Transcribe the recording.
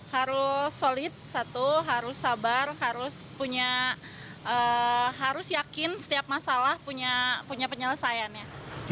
harus solid satu harus sabar harus punya harus yakin setiap masalah punya penyelesaiannya